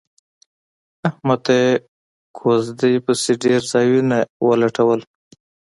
احمد ته یې کوزده پسې ډېر ځایونه ولټول